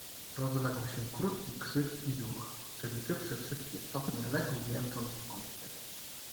"Rozległ się krótki krzyk i duch, przeliczywszy wszystkie stopnie, legł jęcząc w kącie."